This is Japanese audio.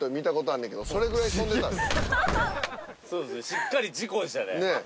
しっかり事故でしたね。